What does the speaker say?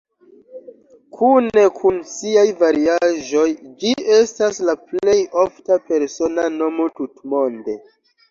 Kune kun siaj variaĵoj ĝi estas la plej ofta persona nomo tutmonde.